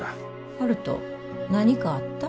悠人何かあった？